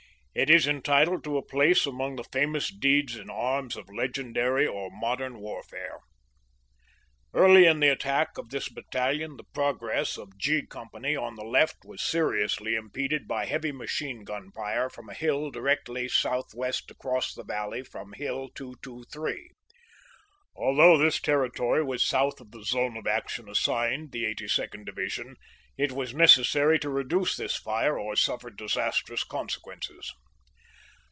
It is entitled to a place among the famous deeds in arms of legendary or modern warfare. Early in the attack of this battalion, the progress of G Company on the left was seriousty im peded by heavy machine gun fire from a hill directly south 60 OFFICIAL HISTORY OF 82> d DIVISION west across the valley from Hill 223, Although this ter ritory was south of the zone of action assigned the 82nd Division, it was necessary to reduce this fire or suffer dis astrous consequences.